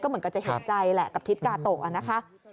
ก็เหมือนกับใจหาใจแหละกับทิศกาโตะอ่ะนะคะ